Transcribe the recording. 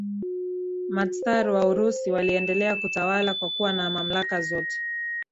Matsar wa Urusi waliendelea kutawala kwa kuwa na mamlaka zote